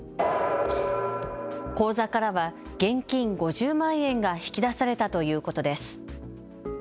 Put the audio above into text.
口座からは現金５０万円が引き出されたということです。